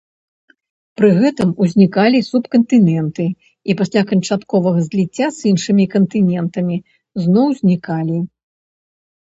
Пры гэтым узнікалі субкантыненты і пасля канчатковага зліцця з іншымі кантынентамі зноў знікалі.